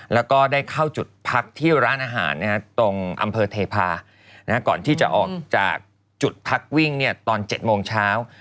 แล้วก็ได้เข้าจุดพักที่ร้านอาหารตรงอำเภอเทพาก่อนที่จะออกจากจุดพักวิ่งตอน๗โมงเช้า